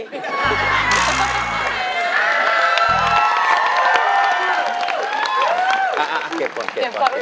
เอาเก็บโค้ง